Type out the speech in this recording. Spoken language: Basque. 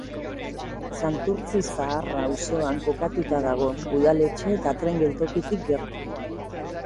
Santurtzi Zaharra auzoan kokatuta dago, udaletxe eta tren geltokitik gertu.